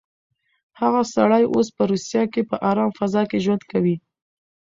هغه سړی اوس په روسيه کې په ارامه فضا کې ژوند کوي.